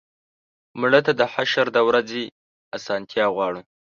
مړه ته د حشر د ورځې آسانتیا غواړو